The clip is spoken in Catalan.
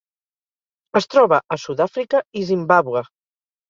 Es troba a Sud-àfrica i Zimbàbue.